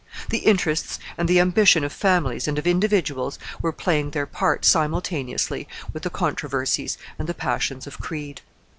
The interests and the ambition of families and of individuals were playing their part simultaneously with the controversies and the passions of creed.